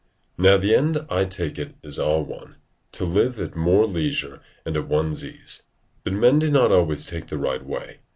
Now the end, I take it, is all one, to live at more leisure and at one's ease: but men do not always take the right way.